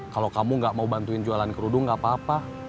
kalau kamu gak mau bantuin jualan kerudung gak apa apa